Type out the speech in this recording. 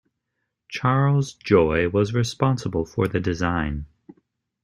Charles Joy was responsible for the design.